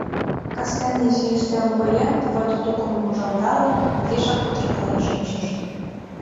Кастене изи ӱстелым поген, родо-тукымым ужылдалын, изишак кутыркален шинчышт.